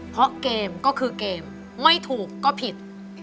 เพราะเกมก็คือเกมไม่ถูกก็ผิด